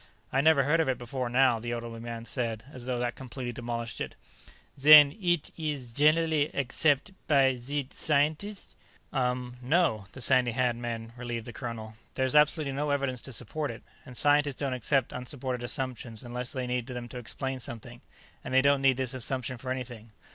"I never heard of it before now," the elderly man said, as though that completely demolished it. "Zen eet ees zhenerally accept' by zee scienteest'?" "Umm, no," the sandy haired man relieved the colonel. "There's absolutely no evidence to support it, and scientists don't accept unsupported assumptions unless they need them to explain something, and they don't need this assumption for anything.